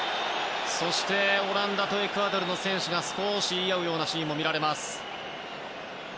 そしてオランダとエクアドルの選手が少し言い合うようなシーンも見られます。